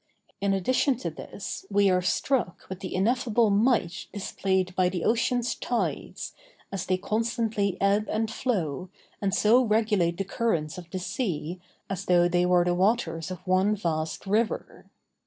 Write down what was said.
In addition to this, we are struck with the ineffable might displayed by the Ocean's tides, as they constantly ebb and flow, and so regulate the currents of the sea as though they were the waters of one vast river.